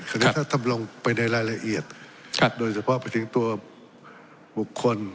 อันนี้ถ้าทำลงไปในรายละเอียดโดยเฉพาะไปถึงตัวบุคคล